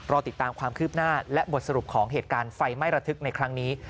ติดตามความคืบหน้าและบทสรุปของเหตุการณ์ไฟไหม้ระทึกในครั้งนี้